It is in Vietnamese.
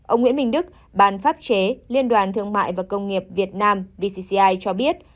ông nguyễn minh đức ban pháp chế liên đoàn thương mại và công nghiệp việt nam vcci cho biết